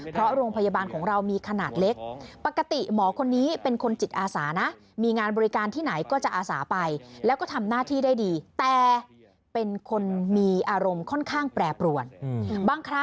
เพราะโรงพยาบาลของเรามีขนาดเล็ก